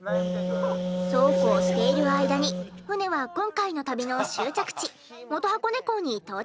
そうこうしている間に船は今回の旅の終着地。